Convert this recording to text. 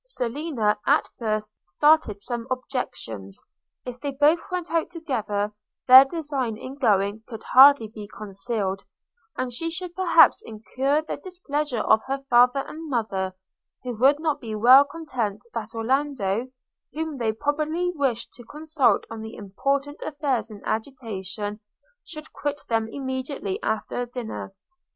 Selina, at first, started some objections – If they both went out together their design in going could hardly be concealed; and she should perhaps incur the displeasure of her father and mother, who would not be well content that Orlando, whom they probably wished to consult on the important affair in agitation, should quit them immediately after dinner.